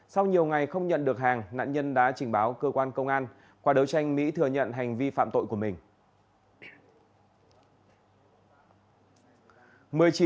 sau nhiều ngày không nhận được hàng nạn nhân đã trình báo cơ quan công an qua đấu tranh mỹ thừa nhận hành vi phạm tội của mình